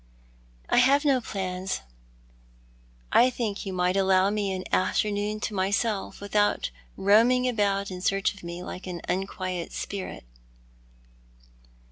"I have no plans. I think you might allow me an afternoon to myself, without roaming about in search of me like an unquiet spirit."